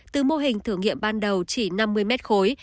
từ mô hình thử nghiệm ban đầu chỉ năm mươi mét khối